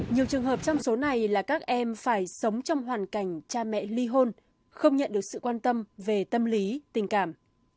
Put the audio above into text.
nhiều trường hợp trong số này là các em phải sống trong hoàn cảnh cha mẹ ly hôn không nhận được sự quan tâm về tâm lý tình cảm